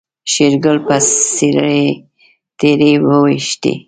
شېرګل په سيرلي تيږې وويشتې.